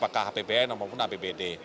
kppn maupun apbd